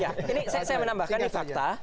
ini saya menambahkan fakta